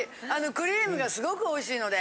クリームがすごくおいしいので。